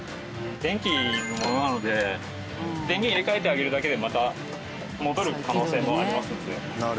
電気のものなので電源入れ替えてあげるだけでまた戻る可能性もありますので。